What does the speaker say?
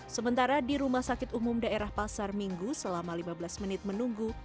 sementara di rumah sakit umum daerah pasar minggu selama lima belas menit menunggu